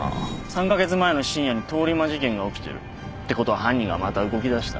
３カ月前の深夜に通り魔事件が起きてる。ってことは犯人がまた動きだした。